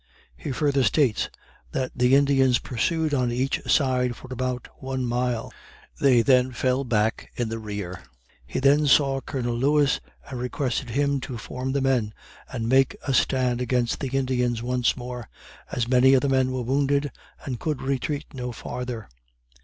He further states "that the Indians pursued on each side for about one mile, they then fell back in the rear." He then saw Colonel Lewis and requested him to form the men and make a stand against the Indians once more, as many of the men were wounded and could retreat no farther.